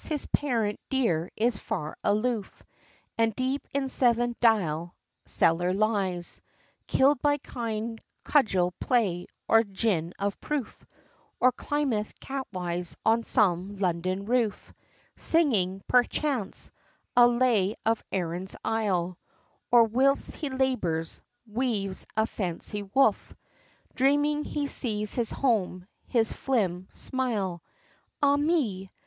his parent dear is far aloof, And deep in Seven Dial cellar lies, Killed by kind cudgel play, or gin of proof, Or climbeth, catwise, on some London roof, Singing, perchance, a lay of Erin's Isle, Or, whilst he labors, weaves a fancy woof, Dreaming he sees his home, his Phelim smile; Ah me!